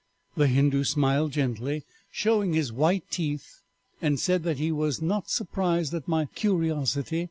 "The Hindoo smiled gently, showing his white teeth, and said that he was not surprised at my curiosity.